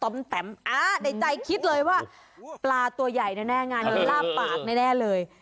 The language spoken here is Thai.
แต่ในใจคิดเลยว่าปลาตัวใหญ่แน่งานนี้ลาบปากแน่เลย